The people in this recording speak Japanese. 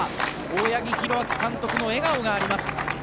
大八木弘明監督の笑顔があります。